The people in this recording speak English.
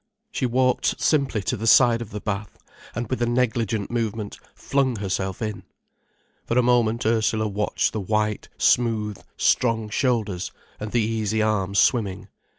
She walked simply to the side of the bath, and with a negligent movement, flung herself in. For a moment Ursula watched the white, smooth, strong shoulders, and the easy arms swimming.